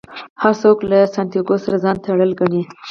هر څوک له سانتیاګو سره ځان تړلی ګڼي.